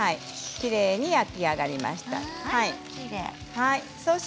きれいに焼き上がりました。